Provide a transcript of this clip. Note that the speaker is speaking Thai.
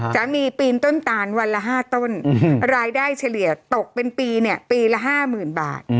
สามีปีนต้นตาลวันละ๕ต้นรายได้เฉลี่ยตกเป็นปีปีละ๕๐๐๐๐บาท